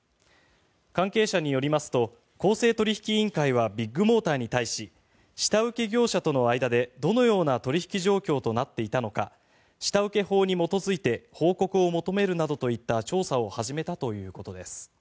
関係者によりますと公正取引委員会はビッグモーターに対し下請け業者との間でどのような取引状況となっていたのか下請法に基づいて報告を求めるなどといった調査を始めたということです。